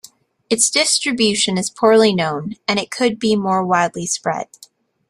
Its distribution is poorly known, and it could be more widely spread.